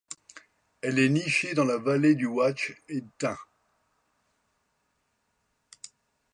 Elle est nichée dans la vallée du Wadj et Tayn.